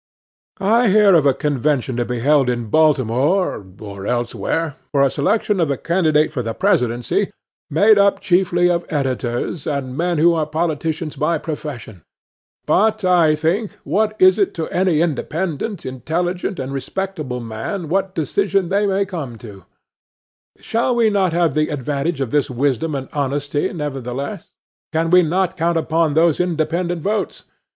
I hear of a convention to be held at Baltimore, or elsewhere, for the selection of a candidate for the Presidency, made up chiefly of editors, and men who are politicians by profession; but I think, what is it to any independent, intelligent, and respectable man what decision they may come to, shall we not have the advantage of his wisdom and honesty, nevertheless? Can we not count upon some independent votes?